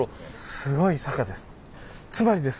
すごい坂です。